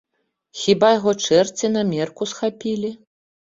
Хіба яго чэрці на мерку схапілі?